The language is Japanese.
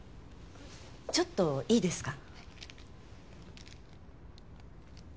ちょっといいですか？